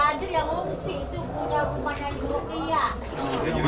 kalau banjir yang ngungsi itu punya rumahnya di rokia